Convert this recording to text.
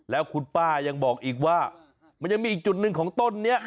แล้วคุณป้ายังบอกอีกว่ามันยังมีอีกจุดหนึ่งของต้นนี้